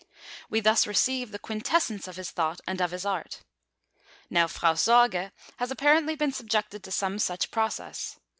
We thus receive the quintessence of his thought and of his art. Now Frau Sorge has apparently been subjected to some such process.